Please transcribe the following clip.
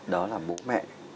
đó là bố mẹ